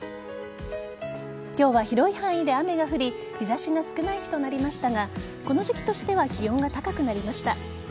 今日は広い範囲で雨が降り日差しが少ない日となりましたがこの時期としては気温が高くなりました。